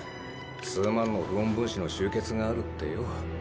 数万の不穏分子の集結があるってよ。